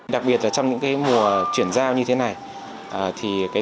đặc biệt là trong những mùa chuyển giao như thế này